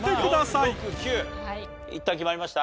いったん決まりました？